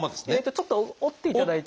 ちょっと折っていただいて。